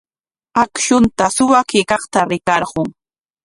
Akshunta suwakuykaqta rikarqun.